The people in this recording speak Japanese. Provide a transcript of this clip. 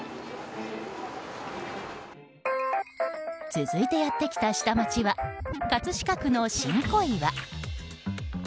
続いてやってきた下町は葛飾区の新小岩。